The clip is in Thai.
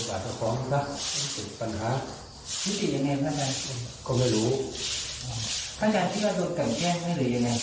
ถ้าอย่างนี้จะออกมาอย่างแก่กันหรือยังไง